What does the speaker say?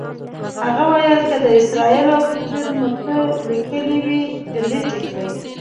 هغه ویل که د اسرائیلو پر ضد مو څه لیکلي وي، ډیلیټ یې کړئ.